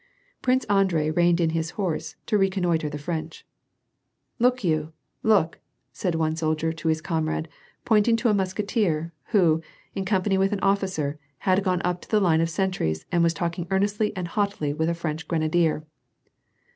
Prince Andrei reined in his horse to reconnoitre the French. " Look yon, look !" said one soldier to his comrade, pointing to a musketeer, who, in company with an officer, had gone up to the line of sentries, and was talking earnestly and hotly with a French grenadier.